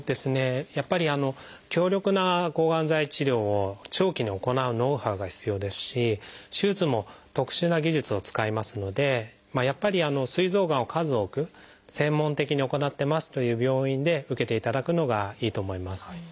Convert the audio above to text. やっぱり強力な抗がん剤治療を長期に行うノウハウが必要ですし手術も特殊な技術を使いますのでやっぱりすい臓がんを数多く専門的に行ってますという病院で受けていただくのがいいと思います。